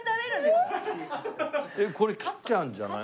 これ切ってあるんじゃない？